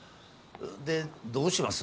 でどうします？